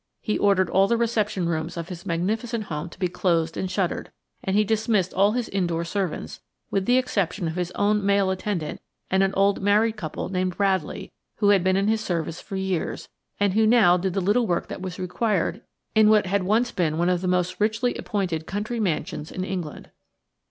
He ordered all the reception rooms of his magnificent home to be closed and shuttered, and he dismissed all his indoor servants, with the exception of his own male attendant and an old married couple named Bradley, who had been in his service for years, and who now did the little work that was required in what had once been one of the most richly appointed country mansions in England.